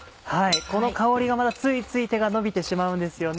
この香りがまたついつい手が伸びてしまうんですよね。